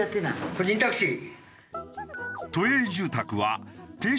個人タクシー。